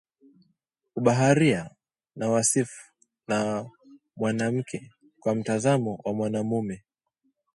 ubaharia na wasifu wa mwanamke kwa mtazamo wa mwanamume